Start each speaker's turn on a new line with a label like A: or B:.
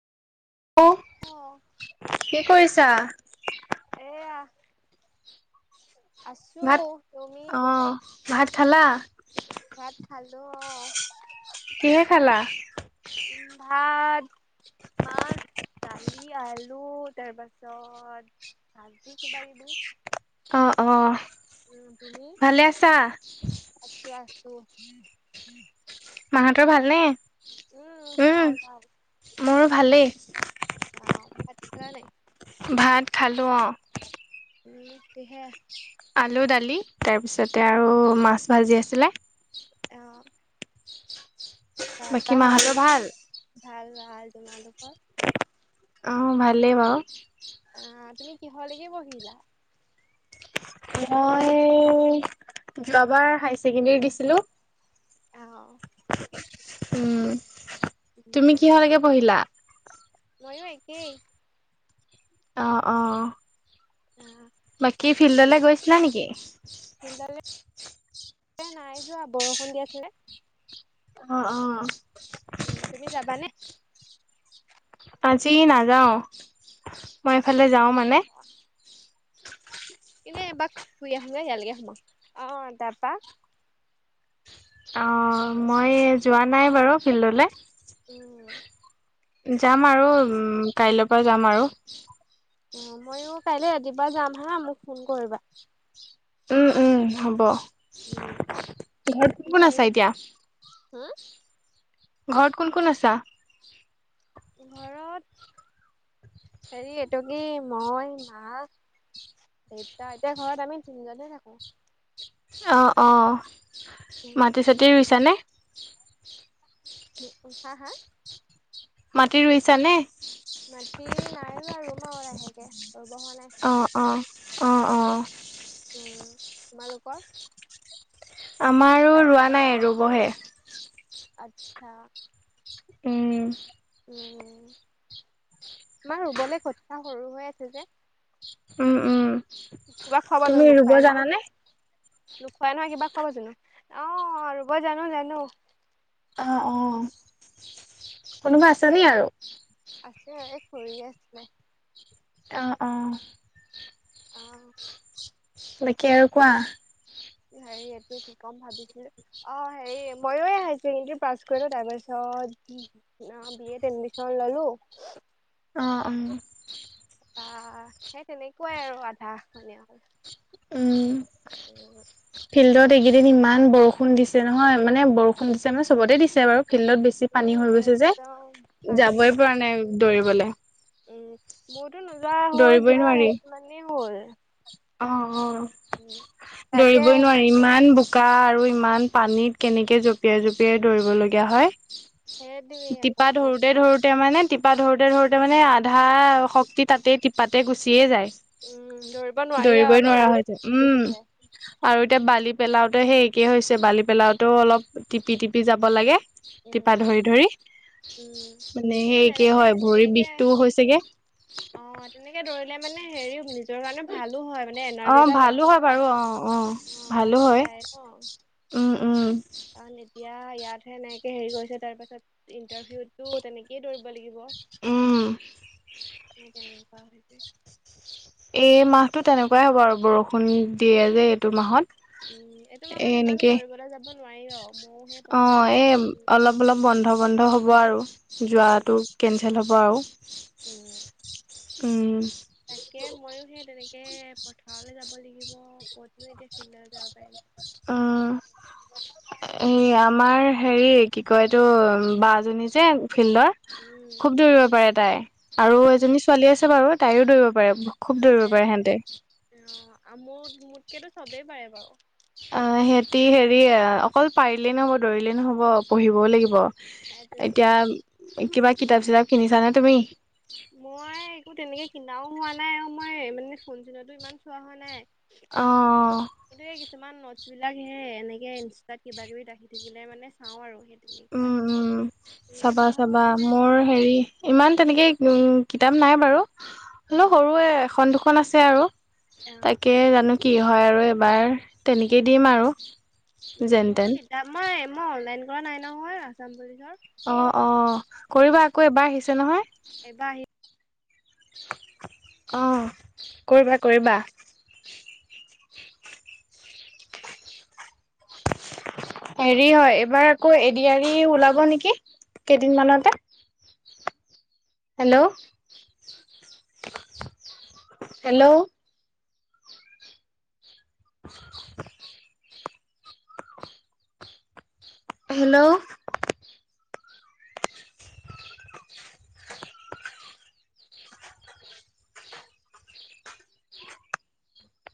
A: অ
B: hello, কি কৰিছা?
A: আহ, আছোঁ,
B: ভাত
A: তুমি?
B: অ', ভাত খালা?
A: ভাত খালোঁ অ।
B: কিহে খালা?
A: ভাত, মাছ, দালি, আল লু, তাৰ পাছত, ভাজি কিবা কিবি
B: অ', অ'।
A: উম তুমি?
B: ভালে আছা?
A: আছোঁ, আছোঁ।
B: মাহঁতৰ ভালনে?
A: ভাল
B: উম,
A: ভাল
B: মোৰো ভালেই।
A: অ', ভাত খালা নে নাই?
B: ভাত খালোঁ অ'।
A: উম, কিহে?
B: আলু, দালি, তাৰপিছতে আৰু মাছ ভাজি আছিলে।
A: অ
B: বাকী মাহঁতৰ ভাল?
A: ভাল-ভাল, তোমালোকৰ?
B: অ', ভালেই বাৰু।
A: আহ তুমি কিহৰলৈকে পঢ়িলা?
B: মই যোৱাবাৰ হাই ছেকেণ্ডৰী দিছিলো।
A: অ'।
B: উম, তুমি কিহৰলৈকে পঢ়িলা?
A: মইয়ো একেই।
B: অ, অ।
A: আহ
B: বাকী ফিল্ডলৈ গৈছিলা নেকি
A: এহ নাই যোৱা, বৰষুণ দি আছিলে
B: অহ অহ
A: তুমি যাবানে?
B: আজি নাযাওঁ মই এইফালে যাওঁ মানে
A: এনেই এপাক ফুৰি আহোঁগৈ ইয়াৰ লৈকে অ, তাৰ পৰা
B: অ মই যোৱা নাই বাৰু ফিল্ডলৈ
A: উম
B: যাম আৰু কাইলৈৰ পৰা যাম আৰু
A: অ, ময়ো কাইলে ৰাতিপুৱা যাম হা মোক ফোন কৰিবা
B: উম উম হব
A: উম
B: ঘৰত কোন কোন আছা এতিয়া?
A: হমম
B: ঘৰত কোন কোন আছা
A: ঘৰত হেৰি এইটো কি মই মা দেউতা এতিয়া ঘৰত আমি তিনিজনে থাকোঁ
B: অ, অ,
A: উম
B: মাটি চাতি ৰুইছানে?
A: উ হা হা?
B: মাটি ৰুইছা নে?
A: মাটি নাই ৰুৱা ৰুম আৰু ‌লাহেকৈ ৰুব হোৱা নাই
B: অ অ অ অ'
A: তোমালোকৰ [inaudible]
B: আমাৰো ৰোৱা নাই ৰুবহে,
A: আচ্ছা [inaudible]
B: উম!
A: উ আমাৰ ৰুবলৈ কঠা সৰু হৈ আছে যে
B: উম উম
A: কিবা
B: তুমি ৰুব জানানে,
A: নোখোৱা নহয় কিবা খব জানো অহ ৰুব জানো জানো।
B: অ অ কোনোবা আছে নি আৰু [inaudible]
A: আছে এই খুৰিয়ে আছিলে।
B: অ অ'
A: অহ!
B: বাকি আৰু কোৱা।
A: [unintelligible] অ অ বি এত এডমিচন ললো।
B: অহ অ [inaudible]
A: অহ সেই তেনেকুৱাই আৰু আধা মানে হল।
B: উম ফিল্ডত কেইদিন ইমান বৰষুণ দিছে নহয় মানে বৰষুণ দিছে মানে চবতে দিছে বাৰু ফিল্ডত বেছি পানী
A: উম
B: হৈ গৈছে যে
A: একদম পানী
B: যাবই পৰা নাই দৌৰিবলে
A: উম
B: [inaudible]
A: মোৰতো নোযোৱা হ'ল
B: দৌৰিবই
A: তিনি
B: নোৱাৰি
A: চাৰিদিন মানেই হ'ল,
B: অ অ
A: উম তাকে
B: দৌৰিবই নোৱাৰি ইমান বু শুকা আৰু ইমান পানীত কেনেকে জপিয়াই জঁপিয়াই দৌৰিব লগিয়া হয়
A: সেইটোৱে
B: তিপা
A: আকৌ
B: ধৰোতে ধৰোতে মানে টিপা ধৰোতে ধৰোতে মানে আধা শক্তি তাতে টিপাতে গুচিয়ে যায়
A: উম ধৰিব
B: দৌৰিবই নোৱাৰা হয়তো উম [inaudible] আৰু এতিয়া বালি পেলাওঁতে সেইেই হৈছে বালি পেলাওঁতেও অলপ টিপি টিপি যাব লাগে।
A: উম
B: তিপা ধৰি ধৰি
A: উম
B: মানে সেই কি
A: তেনেকে
B: হয় ভৰিৰ
A: তেনেকে
B: বিষটোও হৈছেগে।
A: অ তেনেকে ধৰিলে মানে হেৰিও নিজৰ কাৰণে ভালো হয় মানে
B: অ
A: এনাৰ্জি এটা
B: ভালো
A: লাষ্টত
B: হয়
A: পা
B: বাৰু অ অ' অ
A: অ
B: ভালো
A: পাছত
B: হয়।
A: পায় ন এয়া ইয়াতহে নেকে হেৰি কৰিছে তাৰ পাছত ইণ্টাৰভিউতো তেনেকেই দৌৰিব লাগিব।
B: উম!
A: মট এনেক পক
B: এই মাহতটো তেনেকুৱাই হ'ব আৰু- বৰষুণ দিয়ে যে এইটো
A: উম এইটো
B: মাহত এ
A: মাহত ইমান
B: এনেকেই,
A: দৌৰিবলৈ যাব নোৱাৰি আৰু ময়ো সেই
B: অ
A: পথাৰতে
B: এ
A: যাব লাগিব
B: অলপ অলপ বন্ধ বন্ধ হব আৰু
A: উম
B: যোৱাতো কেঞ্চেল হ'ব আৰু
A: উম!
B: অ'!
A: তাকে ময়ো সেই তেনেকে তে পথাৰলৈ যাব লাগিব কত এতিয়া ফিল যাব পাৰিম
B: এ আমাৰ হেৰি কি কয় এইটো বা জনী যে ফিল্ডৰ
A: উম
B: খুব দৌৰিব পাৰে তাই আৰু
A: উম
B: এজনী ছোৱালী আছে বাৰু তাইও দৌৰিব পাৰে। খুব দৌৰিব
A: পাৰে
B: সিহঁতে।
A: পাৰে অ আমোদ মোদকেতো চবেই পাৰে বাৰু
B: অ সিহতি হেৰি অকল পাৰিলেই নহব দৌৰিলেই নহব পঢ়িবও লাগিব।
A: সেইটোৱে
B: এতিয়া কিবা কিতাপ চিতাপ কিনিছানে তুমি?
A: মই একো তেনেকে কিনাও হোৱা নাই আৰু মই মানে ফোন চোনতো ইমান চোৱা হোৱা নাই।
B: আহ!
A: বস্তুবিলাক সে এনেকে ইনষ্টাত কিবা কিবি ৰাখি থাকিলে মানে চাওঁ আৰু সেই তেনেকুৱাই।
B: উম উম
A: তেনেকে
B: চাবা
A: পঢ়া
B: চাবা
A: হোৱাগে নাই
B: মোৰ
A: বাৰু
B: হেৰি ইমান তেনেকে উম কিতাপ নাই বাৰু অলও
A: উম
B: সৰুৱে এখন দুখন আছে আৰু
A: অ
B: তাকে জানো কি হয় আৰু এবাৰ তেনেকেই দিম আৰু
A: উম
B: যেন
A: মইতো
B: তেন
A: কিতাম মই মই অনলাইন কৰা নাই নহয় আছাম বুলি
B: অ অ কৰিবা আকৌ এবাৰ আহিছে নহয়
A: এইবাৰ আহি
B: অঁ কৰিবা কৰিবা হেৰি হয় এইবাৰ আকৌ এৰি এৰি ওলাব নেকি কেইদিনমানানতে হেল্ল' হেল্ল' [unintelligible] হেল্ল'